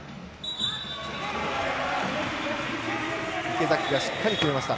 池崎が、しっかり決めました。